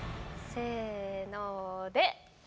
せので！